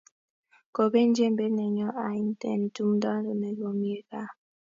Kobet Jembet nennyo ain eng' tumdo ne komie kaa